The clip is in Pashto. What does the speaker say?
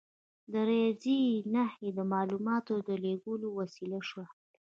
د ریاضي نښې د معلوماتو د لیږد وسیله شوه.